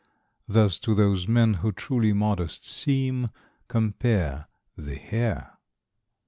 Thus, to those men who truly modest seem Compare The Hare.